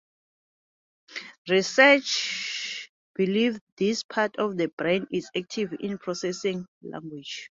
Researchers believe this part of the brain is active in processing language.